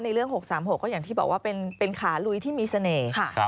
เรื่อง๖๓๖ก็อย่างที่บอกว่าเป็นขาลุยที่มีเสน่ห์